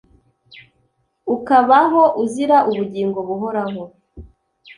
ukabaho uzira ubugingo buhoraho